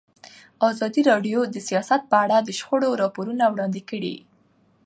ازادي راډیو د سیاست په اړه د شخړو راپورونه وړاندې کړي.